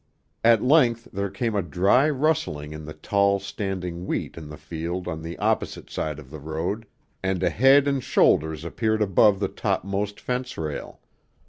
At length there came a dry rustling in the tall standing wheat in the field on the opposite side of the road, and a head and shoulders appeared above the topmost fence rail.